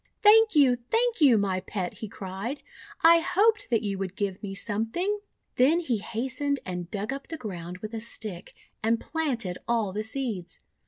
4 Thank you! Thank you, my Pet!" he cried. "I hoped that you would give me something!'1 Then he hastened and dug up the ground with a stick, and planted all the seeds.